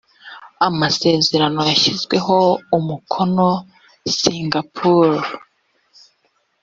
amasezerano yashyiriweho umukonoi singapour